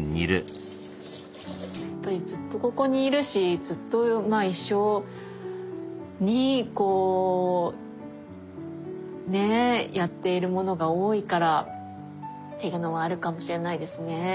やっぱりずっとここにいるしずっとまあ一緒にこうねえやっているものが多いからっていうのもあるかもしれないですね。